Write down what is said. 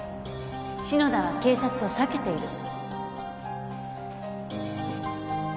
篠田は警察を避けている